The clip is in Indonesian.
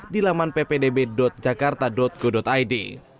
di laman ppdb jakarta go id